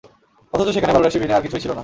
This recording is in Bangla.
অথচ সেখানে বালুরাশি বিনে আর কিছুই ছিল না।